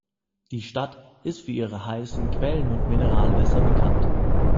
Die Stadt ist für ihre heißen Quellen und Mineralwässer bekannt.